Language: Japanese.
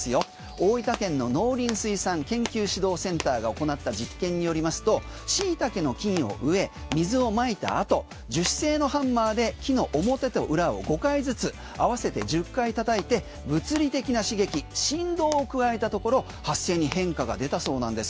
大分県の農林水産研究指導センターが行った実験によりますとシイタケの菌を植え水をまいたあと樹脂製のハンマーで木の表と裏を５回ずつ合わせて１０回たたいて物理的な刺激振動を加えたところ発生に変化がでたそうなんです。